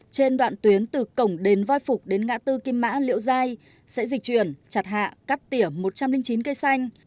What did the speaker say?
trên đoạn tuyến từ cổng đền voi phục đến ngã tư kim mã liệu giai sẽ dịch chuyển chặt hạ cắt tỉa một trăm linh chín cây xanh